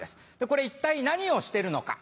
これ一体何をしてるのか？